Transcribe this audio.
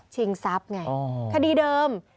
ทรัพย์ไงคดีเดิม